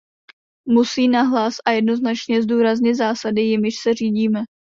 Musí nahlas a jednoznačně zdůraznit zásady, jimiž se řídíme.